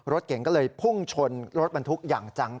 รถเก่งก็เลยพุ่งชนรถบรรทุกอย่างจัง